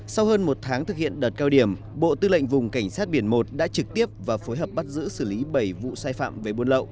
sau hơn một tháng thực hiện đợt cao điểm bộ tư lệnh vùng cảnh sát biển một đã trực tiếp và phối hợp bắt giữ xử lý bảy vụ sai phạm về buôn lậu